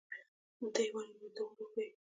دی ونې ته ور وښوېد.